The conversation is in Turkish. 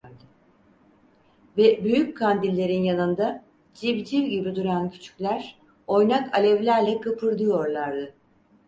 Ve büyük kandillerin yanında civciv gibi duran küçükler, oynak alevlerle kıpırdıyorlardı.